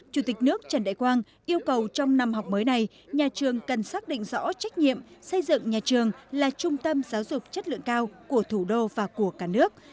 chủ tịch nước trần đại quang yêu cầu trong năm học mới này nhà trường cần xác định rõ trách nhiệm xây dựng nhà trường là trung tâm giáo dục chất lượng cao của thủ đô và của cả nước